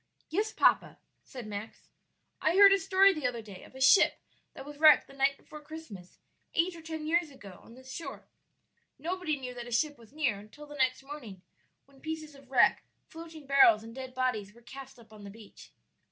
"Yes, papa," said Max; "I heard a story the other day of a ship that was wrecked the night before Christmas, eight or ten years ago, on this shore. Nobody knew that a ship was near until the next morning, when pieces of wreck, floating barrels, and dead bodies were cast up on the beach.